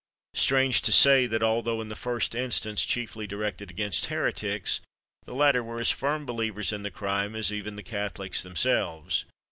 Strange to say, that although in the first instance chiefly directed against heretics, the latter were as firm believers in the crime as even the Catholics themselves.